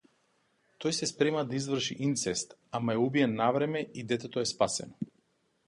Тој се спрема да изврши инцест, ама е убиен навреме и детето е спасено.